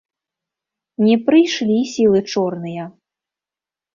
Не прыйшлі сілы чорныя.